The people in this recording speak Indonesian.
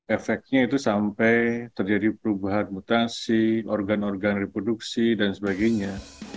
efeknya itu sampai terjadi perubahan mutasi organ organ reproduksi dan sebagainya